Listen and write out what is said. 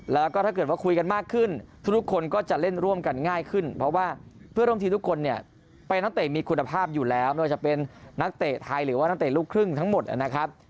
แล้วก็ถ้าเกิดว่าคุยกันมากขึ้นทุกคนก็จะเล่นร่วมกันง่ายขึ้นเพราะว่าเพื่อนร่วมทีมทุกคนเนี่ยเป็นนักเตะมีคุณภาพอยู่แล้วไม่ว่าจะเป็นนักเตะไทยหรือว่านักเตะลูกครึ่งทั้งหมดนะครับ